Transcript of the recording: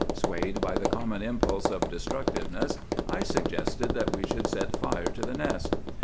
Swayed by the common impulse of destructiveness, I suggested that we should set fire to the nest.